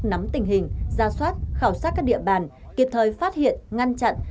nắm tình hình ra soát khảo sát các địa bàn kịp thời phát hiện ngăn chặn